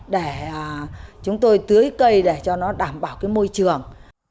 để chúng tôi tưới cây để cho nó đảm bảo cái môi trường